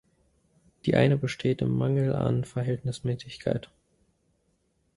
Die eine besteht im Mangel an Verhältnismäßigkeit.